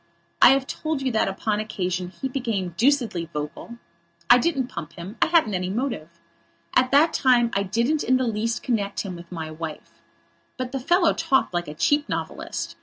I have told you that, upon that occasion, he became deucedly vocal. I didn't pump him. I hadn't any motive. At that time I didn't in the least connect him with my wife. But the fellow talked like a cheap novelist.